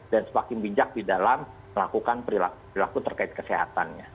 dan semakin bijak di dalam melakukan perilaku terkait kesehatannya